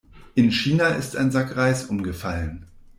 In China ist ein Sack Reis umgefallen.